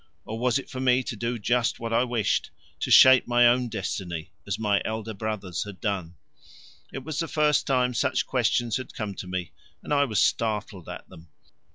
Or was it for me to do just what I wished, to shape my own destiny, as my elder brothers had done? It was the first time such questions had come to me, and I was startled at them.